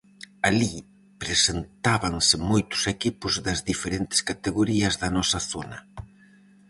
Alí presentábanse moitos equipos das diferentes categorías da nosa zona.